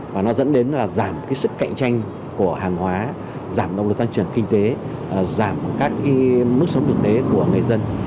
và nó dẫn đến là giảm cái sức cạnh tranh của hàng hóa giảm động lực tăng trưởng kinh tế giảm các mức sống thực tế của người dân